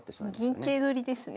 銀桂取りですね。